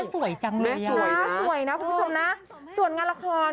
สวยจังเลยสวยสวยนะคุณผู้ชมนะส่วนงานละคร